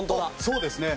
そうですね。